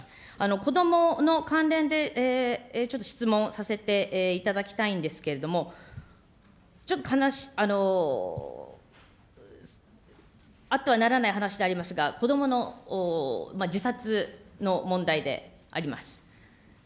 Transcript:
子どもの関連で、ちょっと質問させていただきたいんですけれども、ちょっとあってはならない話でありますが、子どもの自殺の問題であります。